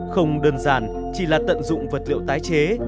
không đơn giản chỉ là tận dụng vật liệu tái chế